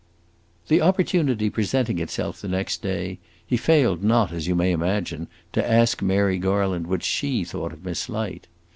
The opportunity presenting itself the next day, he failed not, as you may imagine, to ask Mary Garland what she thought of Miss Light.